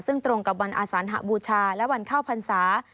ซึ่งตรงกับวันอาสานหบูชาและวันเข้าพรรษา